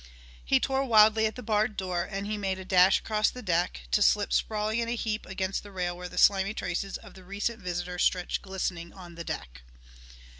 He tore wildly at the barred door, and he made a dash across the deck to slip sprawling in a heap against the rail where the slimy traces of the recent visitor stretched glistening on the deck.